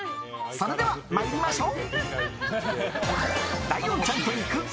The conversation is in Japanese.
それでは、参りましょう。